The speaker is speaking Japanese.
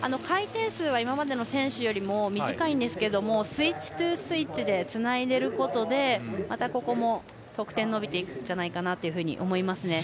回転数は今までの選手よりも短いんですけれどもスイッチトゥスイッチでつないでいることで得点が伸びていくと思います。